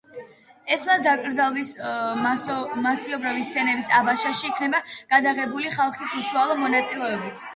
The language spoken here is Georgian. ესმას დაკრძალვის მასობრივი სცენები აბაშაში იქნა გადაღებული ხალხის უშუალო მონაწილეობით.